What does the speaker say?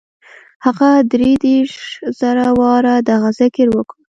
هغه دري دېرش زره واره دغه ذکر وکړ.